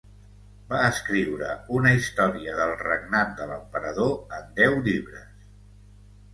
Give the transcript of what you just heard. Va escriure una història del regnat de l'emperador en deu llibres.